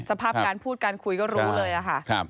สภาพการพูดการคุยก็รู้เลยค่ะ